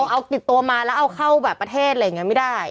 เอาติดตัวมาแล้วเอาเข้าแบบประเทศอะไรอย่างนี้ไม่ได้